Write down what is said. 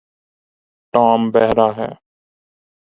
Tom بہرہ ہے